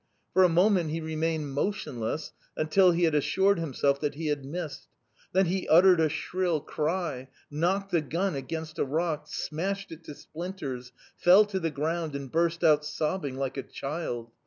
For a moment he remained motionless, until he had assured himself that he had missed. Then he uttered a shrill cry, knocked the gun against a rock, smashed it to splinters, fell to the ground, and burst out sobbing like a child...